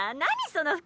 その服。